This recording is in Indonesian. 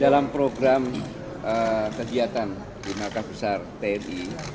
dalam program kegiatan di nakas besar tni